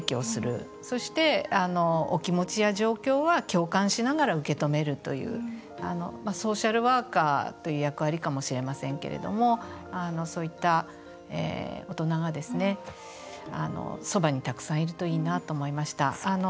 そして、お気持ちや状況は共感しながら受け止めるというソーシャルワーカーという役割かもしれませんけれどもそういった大人がそばにたくさんいるといいなと思いました。